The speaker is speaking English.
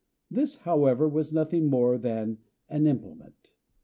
This, however, was nothing more than an implement.